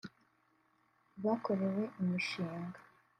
bakorewe imishinga